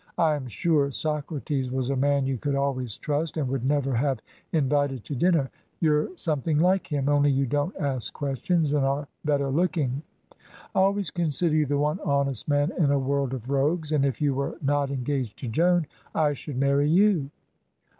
I am sure Socrates was a man you could always trust and would never have invited to dinner. You're something like him, only you don't ask questions and are better looking. I always consider you the one honest man in a world of rogues, and if you were not engaged to Joan, I should marry you."